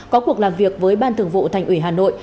có cuộc làm việc với ban thường vụ thành ủy hà nội